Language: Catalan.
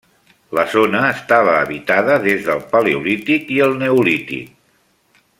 La zona estava habitada des del Paleolític i el Neolític.